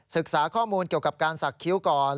ศึกษาข้อมูลเกี่ยวกับการสักคิ้วก่อน